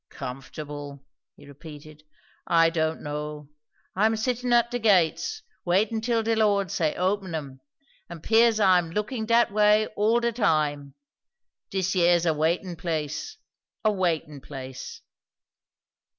'"Comfortable " he repeated. "I don' know. I'm sittin' at de gates, waitin' till de Lord say open 'em; and 'pears I'm lookin' dat way all de time. Dis yer's a waitin' place. A waitin' place."